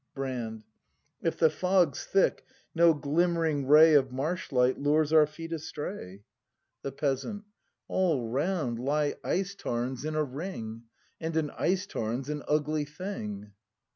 Brand. If the fog's thick, no glimmering ray Of marsh light lures our feet astray. 20 BRAND [ACT i The Peasant. All round lie ice tarns in a ring, And an ice tarn's an ugly thing.